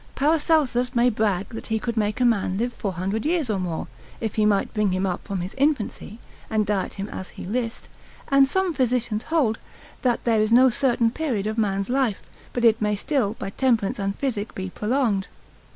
Paracelsus may brag that he could make a man live 400 years or more, if he might bring him up from his infancy, and diet him as he list; and some physicians hold, that there is no certain period of man's life; but it may still by temperance and physic be prolonged.